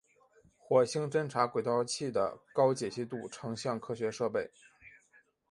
火星侦察轨道器的高解析度成像科学设备。